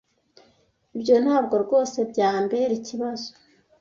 Ibyo ntabwo rwose byambera ikibazo.